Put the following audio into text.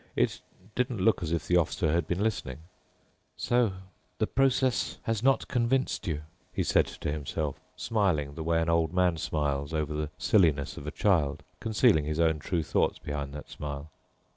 It didn't look as if the Officer had been listening. "So the process has not convinced you," he said to himself, smiling the way an old man smiles over the silliness of a child, concealing his own true thoughts behind that smile.